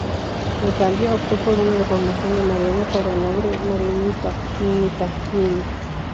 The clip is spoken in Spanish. En cambio, optó por una deformación de Marina para el nombre: Marinita-Ninita-Niní.